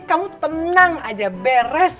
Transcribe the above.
kamu tenang aja beres